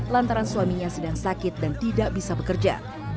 lantaran suaminya sedang sakit dan tidak bisa bekerja